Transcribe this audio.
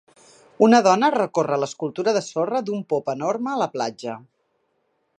Una dona recorre l'escultura de sorra d'un pop enorme a la platja.